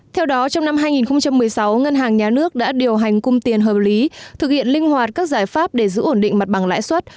theo đó trong năm hai nghìn một mươi sáu ngân hàng nhà nước đã điều hành cung tiền hợp lý thực hiện linh hoạt các giải pháp để giữ ổn định mặt bằng lãi suất